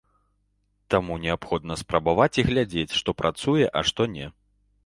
Таму неабходна спрабаваць і глядзець, што працуе, а што не.